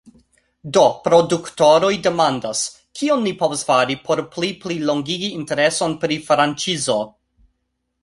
Do produktoroj demandas; kion ni povas fari por pli plilongigi intereson pri la franĉizo?